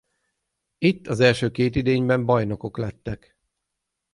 Itt az első két idényben bajnokok lettek.